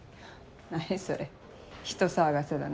何それ人騒がせだね。